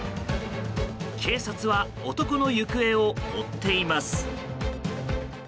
警察は男の行方を追っています。